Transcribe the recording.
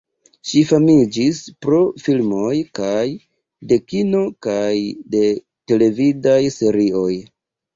Ŝi famiĝis pro filmoj kaj de kino kaj de televidaj serioj.